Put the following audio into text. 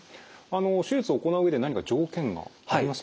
手術を行う上で何か条件がありますか？